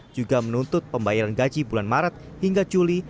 juga menuntut pembayaran gaji bulan maret hingga juli